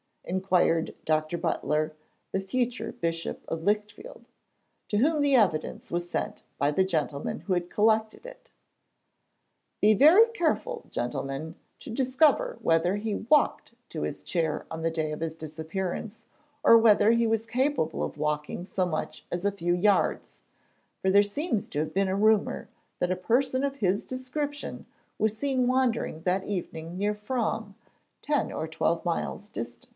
inquired Dr. Butler, the future Bishop of Lichfield, to whom the evidence was sent by the gentlemen who had collected it. 'Be very careful, gentlemen, to discover whether he walked to his chair on the day of his disappearance, or whether he was capable of walking so much as a few yards; for there seems to have been a rumour that a person of his description was seen wandering that evening near Frome ten or twelve miles distant.'